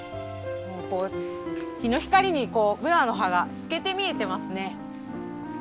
こう日の光にブナの葉が透けて見えてますね。